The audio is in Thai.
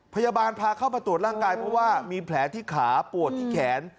พยาบาลพาเข้ามาตรวจร่างกายเพราะว่ามีแผลที่ขาปวดที่แขน